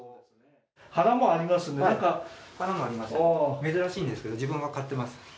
花もあります、珍しいんですが、自分は買ってます。